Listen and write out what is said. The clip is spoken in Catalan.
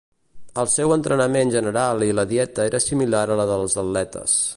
El seu entrenament general i la dieta era similar a la dels atletes.